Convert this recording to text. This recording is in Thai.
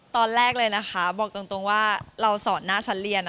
ตอนแรกเลยนะคะบอกตรงว่าเราสอนหน้าชั้นเรียน